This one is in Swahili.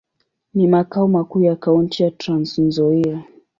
Ni makao makuu ya kaunti ya Trans-Nzoia.